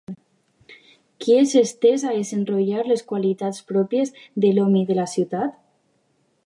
Qui és entès a desenrotllar les qualitats pròpies de l'home i del ciutadà?